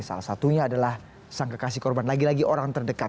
salah satunya adalah sang kekasih korban lagi lagi orang terdekat